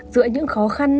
giữa những khó khăn